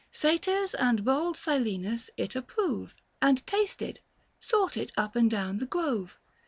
Satyrs and bald Silenus it approve ; And tasted — sought it np and down the grove.